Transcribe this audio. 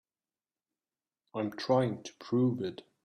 I'm trying to prove it.